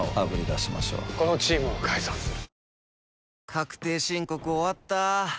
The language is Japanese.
確定申告終わった。